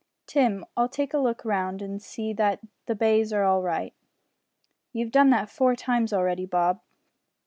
"Tim, I'll take a look round and see that the bays are all right." "You've done that four times already, Bob."